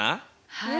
はい。